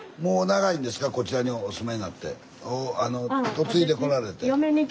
嫁いでこられて。